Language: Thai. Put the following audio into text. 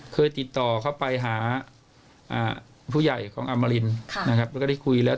เคยติดต่อเข้าไปหาผู้ใหญ่ของอมรินนะครับแล้วก็ได้คุยแล้ว